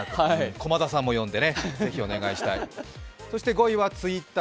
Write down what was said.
駒田さんも呼んでね、ぜひお願いしたい。